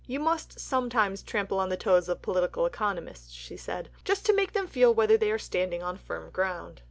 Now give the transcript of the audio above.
"You must sometimes trample on the toes of Political Economists," she said, "just to make them feel whether they are standing on firm ground."